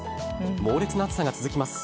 猛烈な暑さが続きます。